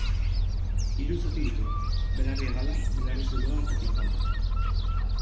Hiru zati ditu: belarri-hegala, belarri-zuloa eta tinpanoa.